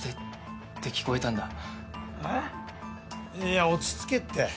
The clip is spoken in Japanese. いや落ち着けって